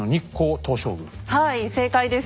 はい正解です。